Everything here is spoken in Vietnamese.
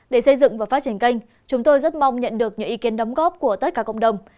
để xây dựng và phát triển kênh chúng tôi rất mong nhận được những ý kiến đóng góp của tất cả cộng đồng